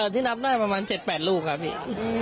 ที่นับได้ประมาณ๗๘ลูกครับพี่